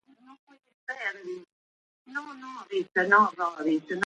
Se puede acceder por autobús desde la Estación Central de Klagenfurt.